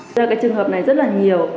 do cái trường hợp này rất là nhiều